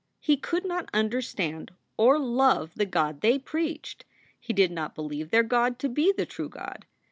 He could not understand or love the God they preached. He did not believe their God to be the true God.